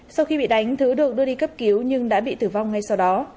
sau khi bị đánh thứ được đưa đi cấp cứu nhưng đã bị tử vong ngay sau đó